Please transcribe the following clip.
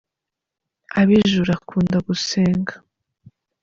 Abijuru akunda gusenga.